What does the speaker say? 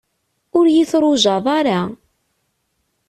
Ur iyi-trujaḍ ara.